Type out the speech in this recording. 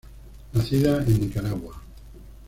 Nacida en Nicaragua.